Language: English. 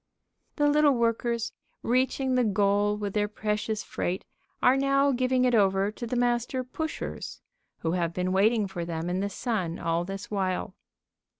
The little workers, reaching the goal with their precious freight, are now giving it over to the Master Pushers, who have been waiting for them in the sun all this while.